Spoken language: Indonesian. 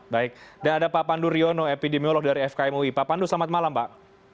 baik dan ada pak pandu riono epidemiolog dari fkm ui pak pandu selamat malam pak